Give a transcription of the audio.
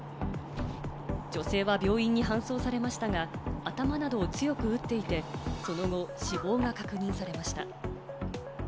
女性は病院に搬送されましたが、頭などを強く打っていてその後、死亡が確認されました。